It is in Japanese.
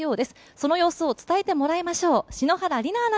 その様子を伝えてもらいましょう。